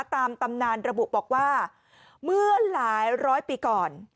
ตำนานระบุบอกว่าเมื่อหลายร้อยปีก่อน